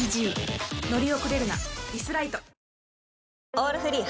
「オールフリー」